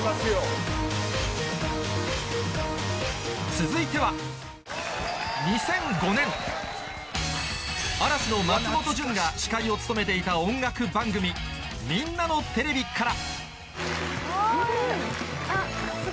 続いては２００５年嵐の松本潤が司会を務めていた音楽番組『ミンナのテレビ』から